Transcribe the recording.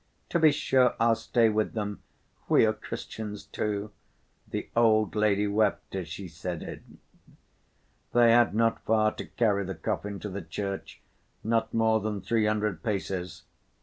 "To be sure, I'll stay with them, we are Christians, too." The old woman wept as she said it. They had not far to carry the coffin to the church, not more than three hundred paces.